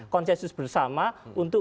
konsensus bersama untuk